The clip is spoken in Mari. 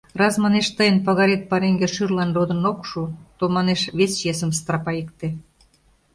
Раз, манеш, тыйын пагарет пареҥге шӱрлан родын ок шу, то, манеш, вес чесым страпайыкте.